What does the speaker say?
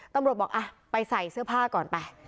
ตำรวจบอกไปใส่เสื้อผ้าก่อนไป